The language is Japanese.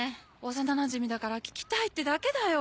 幼なじみだから聞きたいってだけだよ。